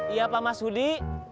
iya pak mas hudi